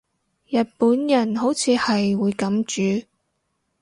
日本人好似係會噉煮